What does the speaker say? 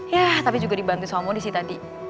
yah tapi juga dibantu sohomodi sih tadi